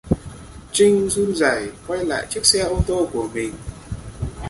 Trinh run rảy quay lại chiếc xe ô tô của mình